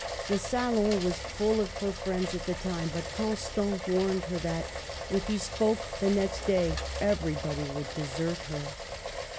The salon was full of her friends at the time, but Constant warned her that, if he spoke the next day, everybody would desert her.